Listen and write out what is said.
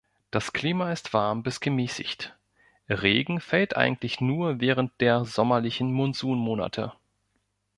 Das Klima ist warm bis gemäßigt; Regen fällt eigentlich nur während der sommerlichen Monsunmonate.